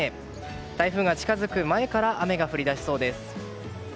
台風が近づく前から雨が降り出しそうです。